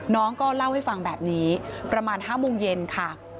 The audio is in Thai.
น้องก็เล่าให้ฟังแบบนี้ประมาณ๕โมงเย็นค่ะ